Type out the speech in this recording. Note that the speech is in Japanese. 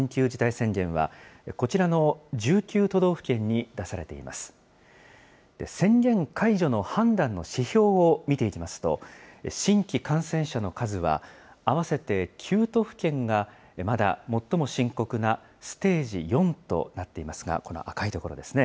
宣言解除の判断の指標を見ていきますと、新規感染者の数は合わせて９都府県が、まだ最も深刻なステージ４となっていますが、この赤いところですね。